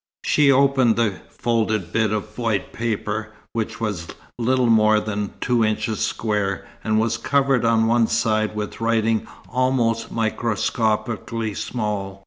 She opened the folded bit of white paper, which was little more than two inches square, and was covered on one side with writing almost microscopically small.